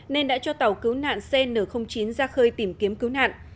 nên đã cho tàu cứu nạn cn chín ra khơi tìm kiếm cứu nạn